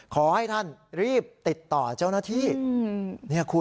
ขอให้ท่านรีบติดต่อเจ้าหน้าที่